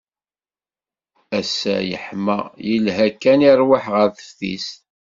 Ass-a yeḥma, yelha kan i rrwaḥ ɣer teftist.